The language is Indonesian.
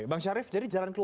itu menjadi penting